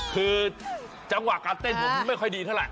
คือจังหวะการเต้นผมไม่ค่อยดีเท่าไห